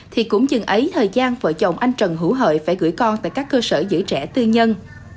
thì cũng chừng ấy thời gian vợ chồng anh trần hữu hợi phải gửi con tại các cơ sở giữ trẻ tư nhân